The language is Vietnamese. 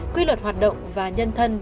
quy luật hoạt động và nhân thân